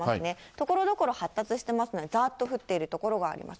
ところどころ発達してますので、ざーっと降っている所があります。